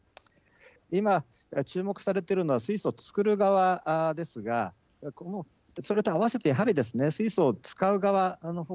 今、注目されているのは水素作る側ですがそれと併せて、やはりですね水素を使う側の方